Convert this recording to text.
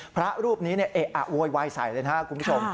พระรูปนี้เอะอะโวยวายใส่เลยนะครับคุณผู้ชม